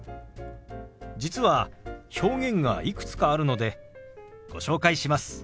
実は表現がいくつかあるのでご紹介します。